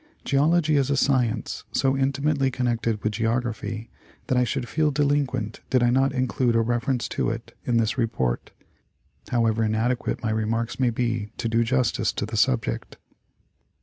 Geology is a science so intimately connected with Geography that I should feel delinquent did I not include a reference to it in this report, however inadequate my remarks may be to do justice to the subject.